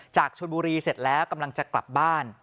จากชนบุรีเสร็จแล้วกำลังจะกลับบ้าน